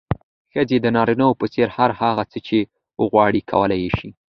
ښځې د نارينه په څېر هر هغه څه چې وغواړي، کولی يې شي.